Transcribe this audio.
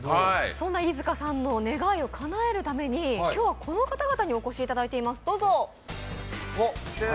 そんな飯塚さんの願いをかなえるために今日はこの方々にお越しいただいています。